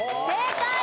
正解！